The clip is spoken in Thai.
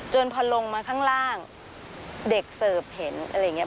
พอลงมาข้างล่างเด็กเสิร์ฟเห็นอะไรอย่างนี้